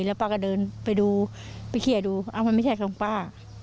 แล้วป้าก็เดินไปดูไปเคลียร์ดูมันไม่ใช่ของป้า